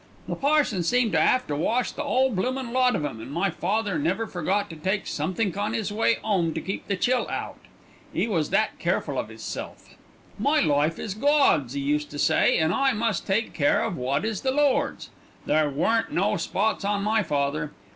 The parson seemed to 'ave to wash the 'ole bloomin' lot of 'em, and my father never forgot to take somethink on 'is way 'ome to keep the chill out, 'e was that careful of 'isself. "'My life is Gawd's,' 'e used to say, 'an' I must take care of wot is the Lord's.' There weren't no spots on my father.